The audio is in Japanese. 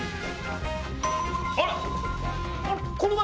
あら！